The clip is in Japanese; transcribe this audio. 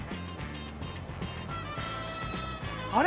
あれ？